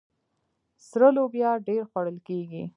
سره لوبیا ډیره خوړل کیږي.